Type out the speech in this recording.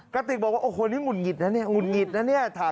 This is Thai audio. กระติกบอกว่าโอ้โฮนี่หุ่นหงิดนะหุ่นหงิดนะ